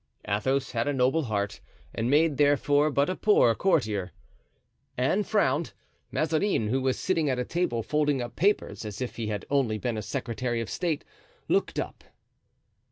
Athos had a noble heart, and made, therefore, but a poor courtier. Anne frowned. Mazarin, who was sitting at a table folding up papers, as if he had only been a secretary of state, looked up.